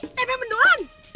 apa sih tepe benduhan